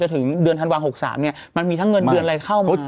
ถึงเดือนธันวา๖๓เนี่ยมันมีทั้งเงินเดือนอะไรเข้ามา